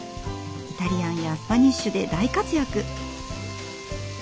イタリアンやスパニッシュで大活躍！